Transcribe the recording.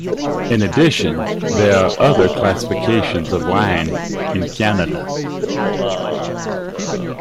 In addition, there are other classifications of wine in Canada.